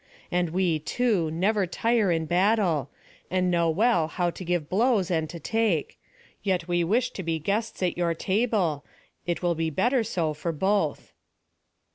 And we, too, never tire in battle, and know well how to give blows and to take; yet we wish to be guests at your table; it will be better so for both."